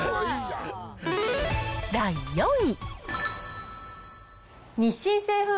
第４位。